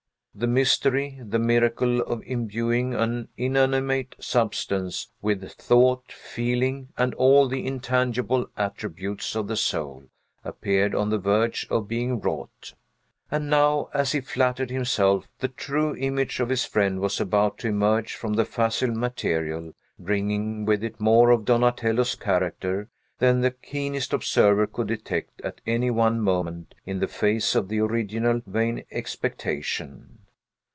The mystery, the miracle, of imbuing an inanimate substance with thought, feeling, and all the intangible attributes of the soul, appeared on the verge of being wrought. And now, as he flattered himself, the true image of his friend was about to emerge from the facile material, bringing with it more of Donatello's character than the keenest observer could detect at any one moment in the face of the original Vain expectation!